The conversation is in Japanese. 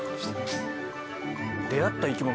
出会った生き物